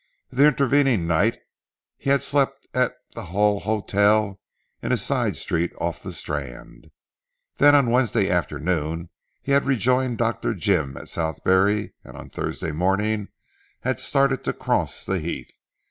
The intervening night he had slept at the Hull Hotel in a side Street off the Strand. Then on Wednesday afternoon, he had rejoined Dr. Jim at Southberry and on Thursday morning had started to cross the Heath.